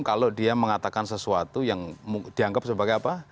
kalau dia mengatakan sesuatu yang dianggap sebagai apa